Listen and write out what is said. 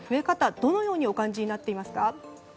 どのようにお感じになっていますか？